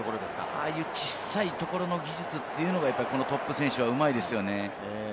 ああいう小さいところの技術というのがトップ選手はうまいですよね。